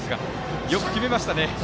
よく決めましたね。